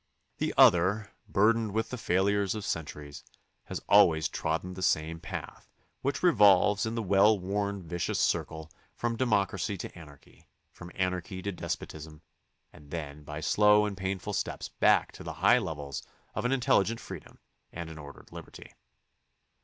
The other, burdened with the failures of centuries, has always trodden the same path which revolves in the well worn vicious circle from democracy to anarchy, from anarchy to despotism, and then by slow and painful steps back to the high levels of an intelligent freedom and an ordered liberty.